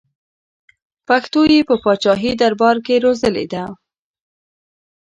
پښتو یې په پاچاهي دربار کې روزلې ده.